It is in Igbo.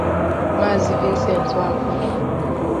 Maazị Vincent Nwanko